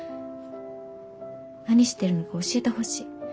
何してるのか教えてほしい。